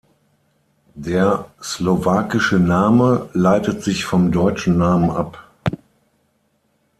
Der slowakische Name leitet sich vom deutschen Namen ab.